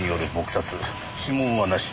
指紋はなし。